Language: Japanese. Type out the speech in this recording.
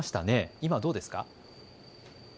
今はどうですか。